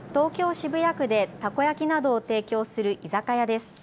渋谷区でたこ焼きなどを提供する居酒屋です。